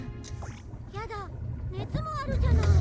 やだ熱もあるじゃない。